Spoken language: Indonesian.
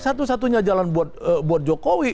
satu satunya jalan buat jokowi